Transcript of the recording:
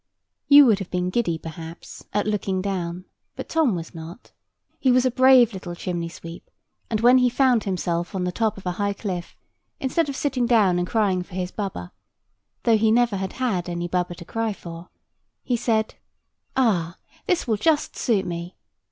You would have been giddy, perhaps, at looking down: but Tom was not. He was a brave little chimney sweep; and when he found himself on the top of a high cliff, instead of sitting down and crying for his baba (though he never had had any baba to cry for), he said, "Ah, this will just suit me!"